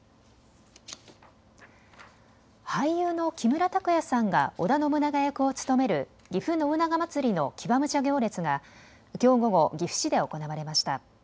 俳優の木村拓哉さんが織田信長役を務めるぎふ信長まつりの騎馬武者行列がきょう午後、岐阜市で行われました。